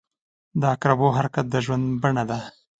• د عقربو حرکت د ژوند بڼه ده.